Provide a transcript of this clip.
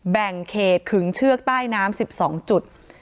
แบ่งเขตขึงเชือกใต้น้ำ๑๒จุด